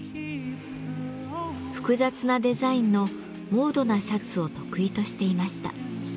複雑なデザインのモードなシャツを得意としていました。